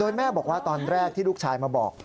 โดยแม่บอกว่าตอนแรกที่ลูกชายมาบอก